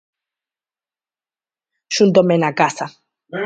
Xúntome na casa.